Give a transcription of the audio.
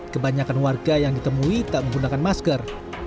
kebanyakan warga yang ditemui tak menggunakan masker